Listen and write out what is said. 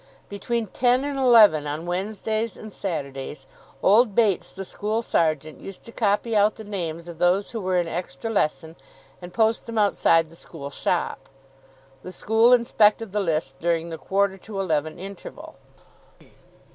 Between ten and eleven on Wednesdays and Saturdays old Bates, the school sergeant, used to copy out the names of those who were in extra lesson, and post them outside the school shop. The school inspected the list during the quarter to eleven interval.